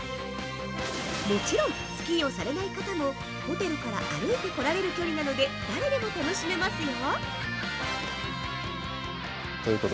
もちろん、スキーをされない方もホテルから歩いて来られる距離なので、誰でも楽しめますよ。